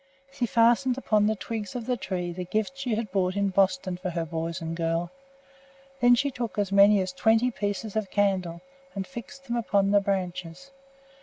She fastened upon the twigs of the tree the gifts she had bought in Boston for her boys and girl. Then she took as many as twenty pieces of candle and fixed them upon the branches.